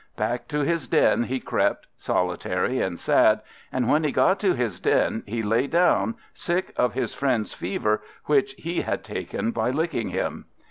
Back to his den he crept, solitary and sad. And when he got to his den, he lay down, sick of his friend's fever, which he had taken by licking him.